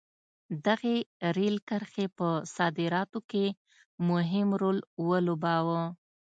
دغې رېل کرښې په صادراتو کې مهم رول ولوباوه.